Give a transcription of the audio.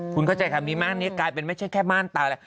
คุณเข้าใจค่ะมีมานานนี้กลายเป็นไม่ใช่แค่มานตา